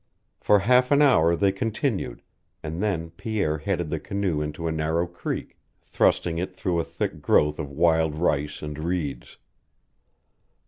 For half an hour they continued, and then Pierre headed the canoe into a narrow creek, thrusting it through a thick growth of wild rice and reeds.